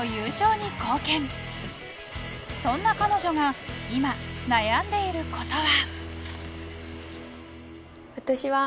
そんな彼女が今悩んでいる事は。